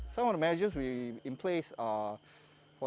masa untuk melakukan pemesanan